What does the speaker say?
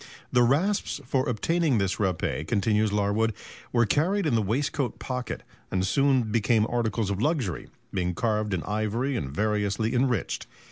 The rasps for obtaining this râpé, continues Larwood, "were carried in the waistcoat pocket, and soon became articles of luxury, being carved in ivory and variously enriched.